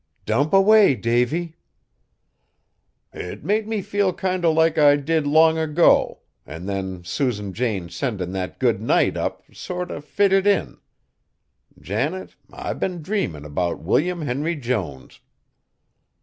"Dump away, Davy." "It made me feel kinder like I did long ago; an' then Susan Jane sendin' that good night up, sort o' fitted in. Janet, I've been dreamin' about William Henry Jones."